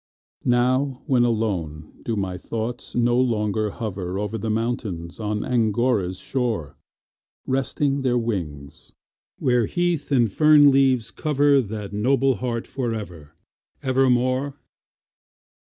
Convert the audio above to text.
Now, when alone, do my thoughts no longer hover Over the mountains on Angora's shore, Resting their wings, where heath and fern leaves cover That noble heart for ever, ever more?